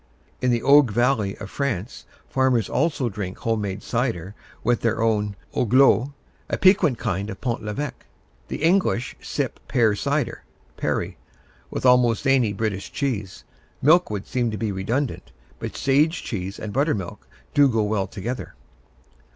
In the Auge Valley of France, farmers also drink homemade cider with their own Augelot, a piquant kind of Pont l'Evêque. The English sip pear cider (perry) with almost any British cheese. Milk would seem to be redundant, but Sage cheese and buttermilk do go well together.